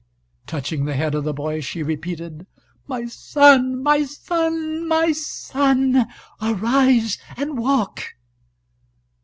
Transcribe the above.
Touching the head of the dead boy, she repeated: "My son! my son! my son! arise and walk!"